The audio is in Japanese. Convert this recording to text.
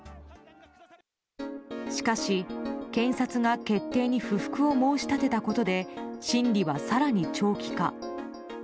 しかし、検察が決定に不服を申し立てたことで審理は更に長期化。